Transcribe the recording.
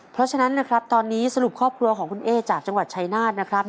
เพราะฉะนั้นนะครับตอนนี้สรุปครอบครัวของคุณเอ๊จากจังหวัดชายนาฏนะครับ